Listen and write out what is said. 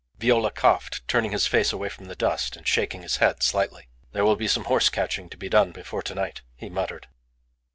Viola coughed, turning his face away from the dust, and shaking his head slightly. "There will be some horse catching to be done before to night," he muttered.